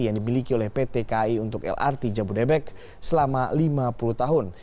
yang dimiliki oleh pt ki untuk lrt jabodebek selama lima puluh tahun